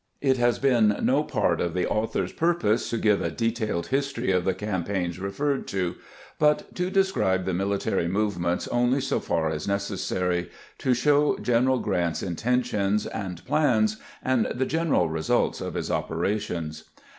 It has been no part of the author's purpose to give a detailed history of the campaigns referred to, but to describe the military movements only so far as necessary to show General Grant's intentions and plans and the general results of his operations.